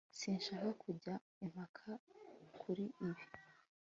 sinshaka kujya impaka kuri ibi